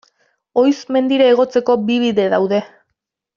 Oiz mendira igotzeko bi bide daude.